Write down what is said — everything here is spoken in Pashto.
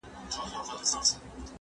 زه به سبا د سوالونو جواب ورکړم!